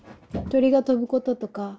鳥が飛ぶこととか